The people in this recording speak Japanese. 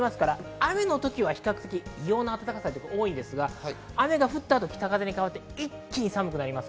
雨の時は異様な温かさが多いんですが、雨が降ったあと北風に変わって、一気に寒くなります。